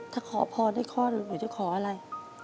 ถ้าขอพรให้คลอดหนูหนูจะขออะไร